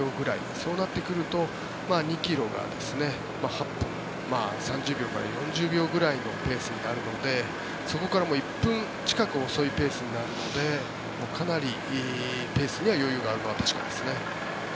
そうなってくると２ｋｍが８分３０秒から４０秒ぐらいのペースになるので、そこから１分近く遅いペースになるのでかなりペースには余裕があるのは確かですね。